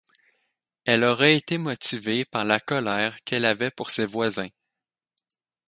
Elle aurait été motivée par la colère qu'elle avait pour ses voisins.